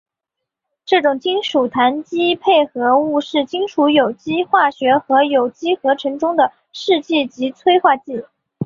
这种金属羰基配合物是金属有机化学和有机合成中的试剂及催化剂。